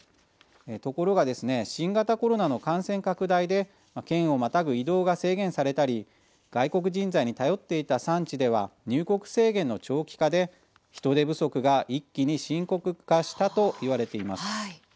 ところがですね新型コロナの感染拡大で県をまたぐ移動が制限されたり外国人材に頼っていた産地では入国制限の長期化で人手不足が一気に深刻化したといわれています。